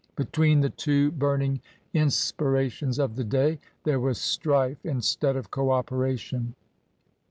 Between the two burning inspira tions of the day there was strife instead of co operation."